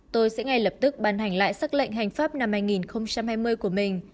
tôi sẽ ngay lập tức ban hành lại xác lệnh hành pháp năm hai nghìn hai mươi của mình